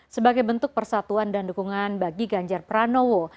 sebagai bentuk persatuan dan dukungan bagi ganjar pranowo